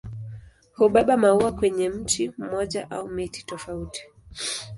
Hubeba maua kwenye mti mmoja au miti tofauti.